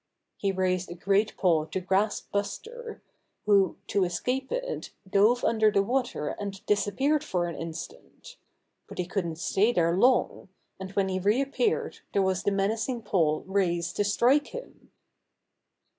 He raised a great paw to grasp Buster, who to escape it dove under the water and disap peared for an instant; but he couldn't stay there long, and when he reappeared there was the menacing paw raised to strike him.